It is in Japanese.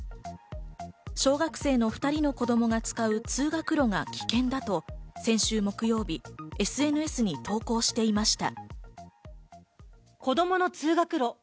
小学生の２人の子供が使う通学路が危険だと先週木曜日、ＳＮＳに投稿していました。